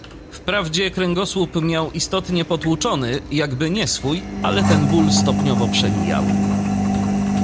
"Wprawdzie kręgosłup miał istotnie potłuczony, jakby nie swój, ale ten ból stopniowo przemijał."